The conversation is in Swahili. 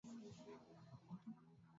na na nakujenga uajibikaji